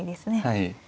はい。